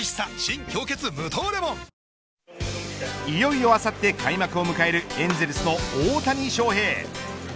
いよいよあさって開幕を迎えるエンゼルスの大谷翔平。